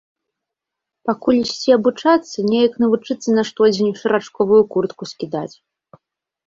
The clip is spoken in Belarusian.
Пакуль ісці абучацца, неяк навучыцца на штодзень шарачковую куртку скідаць.